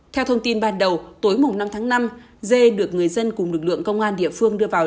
theo thông tin ban đầu tối năm tháng năm dê được người dân cùng lực lượng công an địa phương đưa vào